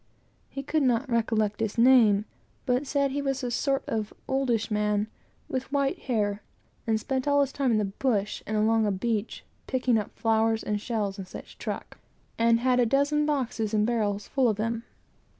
He could not recollect his name, but said he was a "sort of an oldish man," with white hair, and spent all his time in the bush, and along the beach, picking up flowers and shells, and such truck, and had a dozen boxes and barrels, full of them.